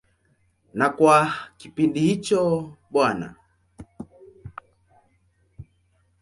Na kwa kipindi hicho Bw.